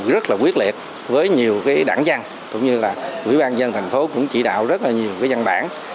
rất là quyết liệt với nhiều đảng dân cũng như là quỹ ban dân thành phố cũng chỉ đạo rất là nhiều cái dân bản